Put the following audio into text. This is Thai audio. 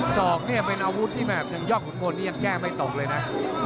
อกเนี่ยเป็นอาวุธที่แบบทางยอดขุนพลนี่ยังแก้ไม่ตกเลยนะ